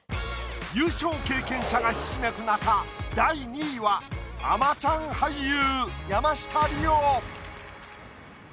優勝経験者がひしめく中第２位は『あまちゃん』俳優。